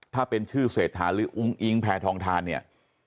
ถ้าเป็นชื่อเศรษฐาหรืออุ้งอิงแพทองทานเนี่ย